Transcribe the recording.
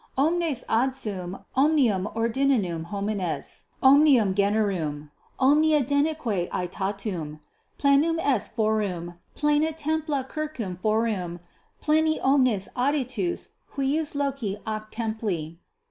Omnes adsunt omnium ordinum homines, omnium generum, omnium denique aetatum; plenum est forum, plena templa circum forum, pleni omnes aditus huius loci ac templi.